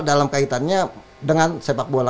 dalam kaitannya dengan sepak bola